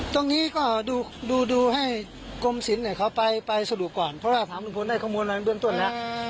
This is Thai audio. ตรงนี้ก็ดูดูให้กรมศิลป์เนี่ยเขาไปไปสรุปก่อนเพราะว่าถามรุ่นโพนได้ข้อมูลนั้นเบื้องต้นแล้ว